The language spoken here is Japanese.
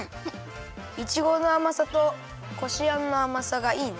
いちごのあまさとこしあんのあまさがいいね。